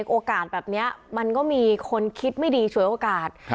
โอกาสแบบนี้มันก็มีคนคิดไม่ดีฉวยโอกาส